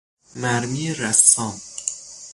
مرمی رسام